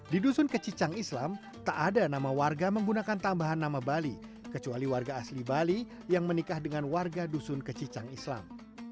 di dusun kecicang islam tak ada nama warga menggunakan tambahan nama bali kecuali warga asli bali yang menikah dengan warga dusun kecicang islam